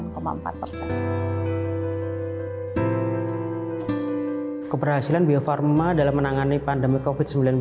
keberhasilan bio farma dalam menangani pandemi covid sembilan belas